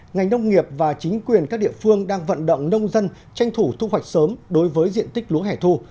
ngành nông nghiệp và chính quyền các địa phương đang vận động nông dân tranh thủ thu hoạch sớm đối với diện tích lúa hẻ thu